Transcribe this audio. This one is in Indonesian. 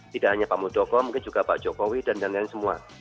tidak hanya pak muldoko mungkin juga pak jokowi dan lain lain semua